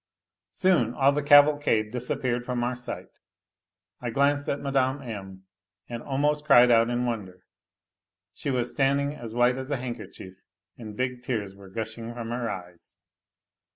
Soon all the cav\lcad< disappeared from our sight. I glanced at Mme. M. and almosl cri' (l out in wonder ; she was standing as white as a handkerchie: and big tears were gushing from her eyes.